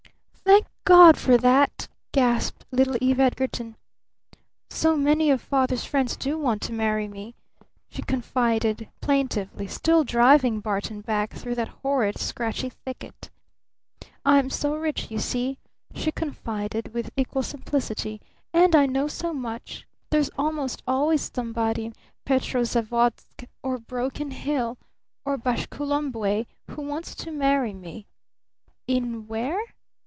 "Thank God for that!" gasped little Eve Edgarton. "So many of Father's friends do want to marry me," she confided plaintively, still driving Barton back through that horrid scratchy thicket. "I'm so rich, you see," she confided with equal simplicity, "and I know so much there's almost always somebody in Petrozavodsk or Broken Hill or Bashukulumbwe who wants to marry me." "In where?"